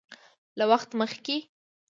له وخت مخکې